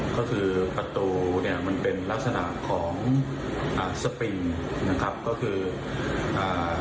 ก็คือประตูเนี้ยมันเป็นลักษณะของอ่าสปริงนะครับก็คืออ่า